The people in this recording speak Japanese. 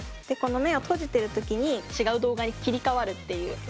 でこの目を閉じてるときに違う動画に切り替わるっていう。